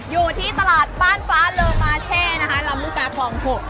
อยู่ที่ตลาดป้านฟ้าเรือมาแช่นะคะลำมูกาของปลูก